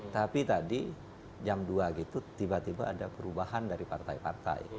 tapi tadi jam dua gitu tiba tiba ada perubahan dari partai partai